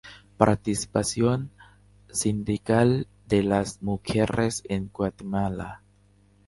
Participación sindical de las mujeres en Guatemala.